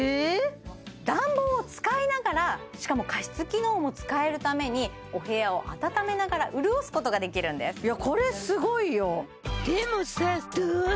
暖房を使いながらしかも加湿機能も使えるためにお部屋を暖めながら潤すことができるんですそうよ